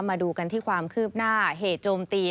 มาดูกันที่ความคืบหน้าเหตุโจมตี